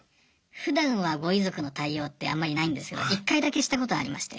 ふだんはご遺族の対応ってあんまりないんですが１回だけしたことありまして。